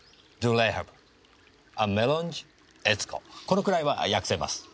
このくらいは訳せます。